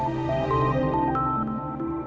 aku harus tenang